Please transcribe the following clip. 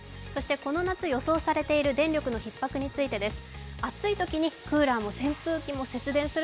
この夏予想されている電力のひっ迫についてです。